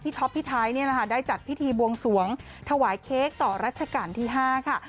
ท็อปพี่ไทยได้จัดพิธีบวงสวงถวายเค้กต่อรัชกาลที่๕ค่ะ